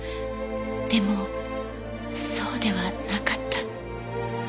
でもそうではなかった。